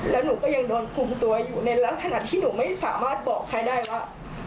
แล้วหนูก็ยังโดนคุมตัวอยู่ในลักษณะที่หนูไม่สามารถบอกใครได้ว่า